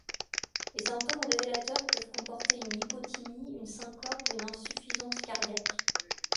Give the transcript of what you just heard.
Les symptômes révélateurs peuvent comporter une lipothymie, une syncope ou une insuffisance cardiaque.